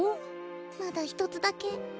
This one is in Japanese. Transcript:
まだひとつだけ。